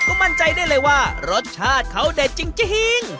ก็มั่นใจได้เลยว่ารสชาติเขาเด็ดจริง